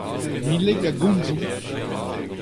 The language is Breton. Tamileg a gomzont.